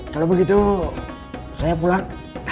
kalau begitu saya pulang